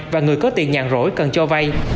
và người có tiền nhạn rỗi cần cho vay